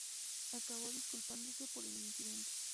Acabó disculpándose por el incidente.